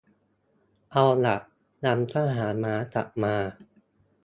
เอาล่ะ นำทหารม้ากลับมา